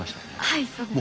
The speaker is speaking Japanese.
はいそうです。